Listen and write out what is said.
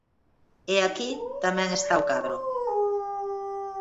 E aquí tamén está o cadro.